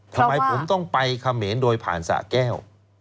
ทำไมผมต้องไปเขมรโดยผ่านสะแก้ว